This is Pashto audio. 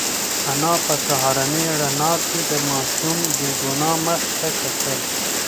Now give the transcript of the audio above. انا په سهارنۍ رڼا کې د ماشوم بې گناه مخ ته کتل.